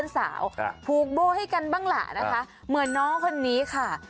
สาวผูกโบ้ให้กันบ้างล่ะนะคะเหมือนน้องคนนี้ค่ะ